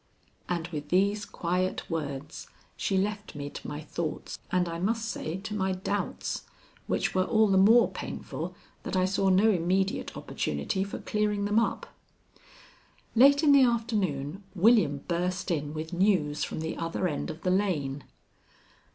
And with these quiet words she left me to my thoughts, and I must say to my doubts, which were all the more painful that I saw no immediate opportunity for clearing them up. Late in the afternoon William burst in with news from the other end of the lane.